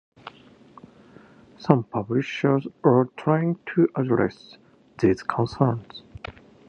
Some publishers are trying to address these concerns.